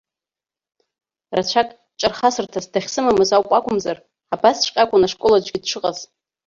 Рацәак ҿархасырҭас дахьсымамыз ауп акәымзар, абасҵәҟьа акәын ашкол аҿгьы дшыҟаз.